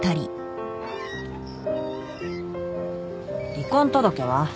離婚届は？